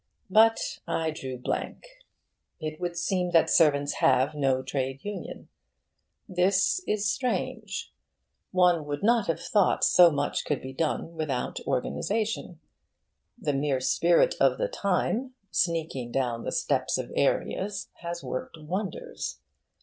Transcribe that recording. But I drew blank. It would seem that servants have no trade union. This is strange. One would not have thought so much could be done without organisation. The mere Spirit of the Time, sneaking down the steps of areas, has worked wonders.